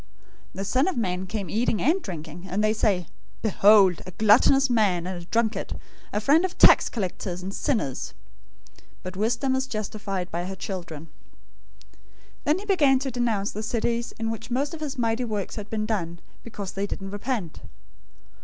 011:019 The Son of Man came eating and drinking, and they say, 'Behold, a gluttonous man and a drunkard, a friend of tax collectors and sinners!' But wisdom is justified by her children.{NU reads "actions" instead of "children"}" 011:020 Then he began to denounce the cities in which most of his mighty works had been done, because they didn't repent.